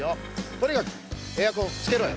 とにかくエアコンつけろよ。